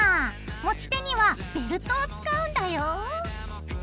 持ち手にはベルトを使うんだよ！